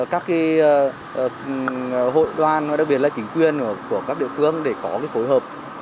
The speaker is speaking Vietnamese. các cái hội đoàn và đặc biệt là chính quyền của các địa phương để có cái phối hợp